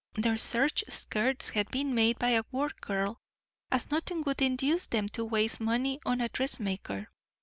Their serge skirts had been made by a work girl, as nothing would induce them to waste money on a dressmaker.